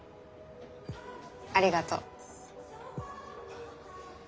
ありがとう。